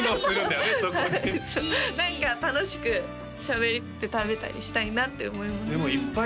そこで何か楽しくしゃべって食べたりしたいなって思いますでもいっぱい